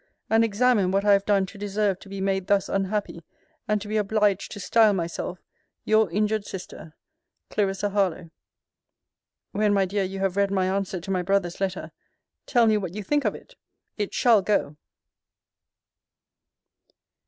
And examine what I have done to deserve to be made thus unhappy, and to be obliged to style myself Your injured sister, CL. HARLOWE. When, my dear, you have read my answer to my brother's letter, tell me what you think of me? It shall go!